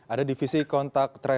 ada divisi kontak tracing